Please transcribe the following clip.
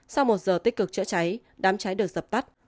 sau một giờ tích cực chữa cháy đám cháy được dập tắt